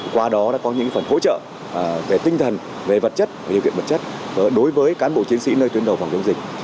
qua đó đã có những phần hỗ trợ về tinh thần về vật chất điều kiện vật chất đối với cán bộ chiến sĩ nơi tuyến đầu phòng chống dịch